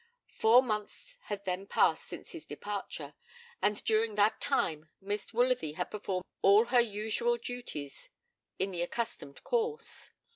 Four months had then passed since his departure, and during that time Miss Woolsworthy had performed all her usual daily duties in their accustomed course.